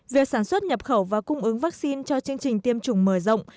việc sản xuất nhập khẩu và cung ứng vaccine cho chương trình tiêm chủng mở rộng